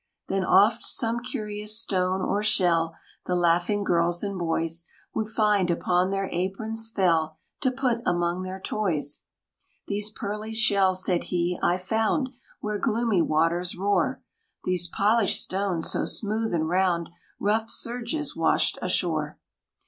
Then, oft, some curious stone, or shell, The laughing girls and boys Would find, upon their aprons fell, To put among their toys. "These pearly shells," said he, "I found Where gloomy waters roar: These polished stones, so smooth and round, Rough surges washed ashore.